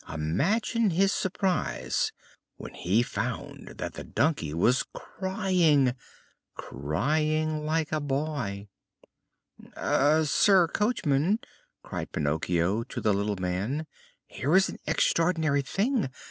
Imagine his surprise when he found that the donkey was crying crying like a boy! "Eh! Sir Coachman," cried Pinocchio to the little man, "here is an extraordinary thing!